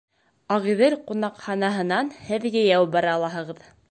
«Ағиҙел» ҡунаҡханаһынан һеҙ йәйәү бара алаһығыҙ.